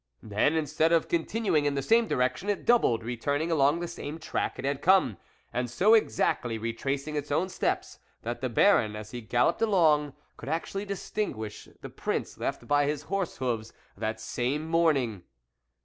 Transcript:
"" Then, instead of continuing in the same direction, it doubled, returning along the same track it had come, and so exactly retracing its own steps, that the Baron, as he galloped along, could actually distinguish the prints left by his horse's hoofs that same morning.